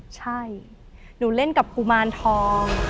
ใช่หนูเล่นกับกุมารทอง